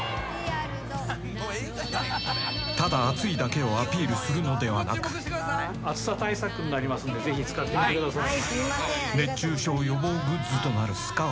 「ただ暑いだけをアピールするのではなく」「暑さ対策になりますんでぜひ使ってみてください」